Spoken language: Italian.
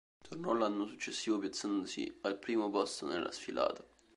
Tornò l'anno successivo, piazzandosi al primo posto nella Sfilata.